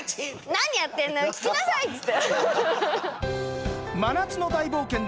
「何やってんのよ聞きなさい！」っつって。